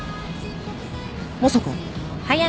まさか。